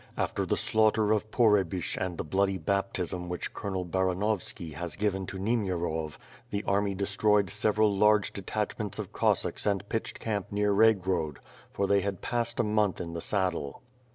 After the slaughter of Pohrebyshch and the bloody baptism which Colonel Baranovski has given to Niemierov the army destroyed several large detachments of Cossacks and pitched camp near Raygrod, for they had passed a month in the saddle.